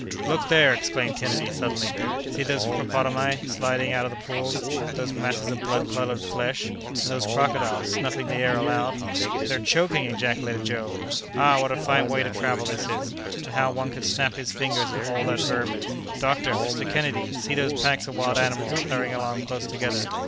"Look there!" exclaimed Kennedy, suddenly, "see those hippopotami sliding out of the pools—those masses of blood colored flesh—and those crocodiles snuffing the air aloud!" "They're choking!" ejaculated Joe. "Ah! what a fine way to travel this is; and how one can snap his fingers at all that vermin!—Doctor! Mr. Kennedy! see those packs of wild animals hurrying along close together.